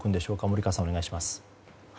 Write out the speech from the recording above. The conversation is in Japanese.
森川さん、お願いします。